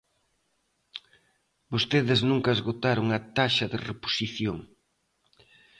Vostedes nunca esgotaron a taxa de reposición.